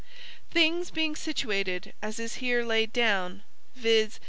Things being situated as is here laid down, viz.